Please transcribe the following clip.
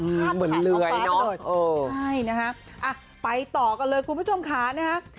ภาพแผ่นของป๊าเบิร์ดใช่นะครับอ่ะไปต่อกันเลยคุณผู้ชมค่ะนะครับ